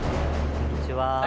こんにちは。